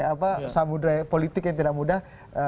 apa samudera politik yang tidak mudah